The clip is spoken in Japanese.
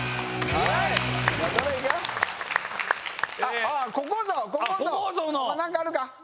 お前何かあるか？